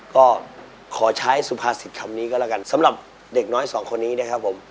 ก็ขอใช้สุภาษิตคำนี้ก็แล้วกันสำหรับเด็กน้อยสองคนนี้นะครับผม